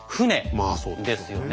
まあそうですよね。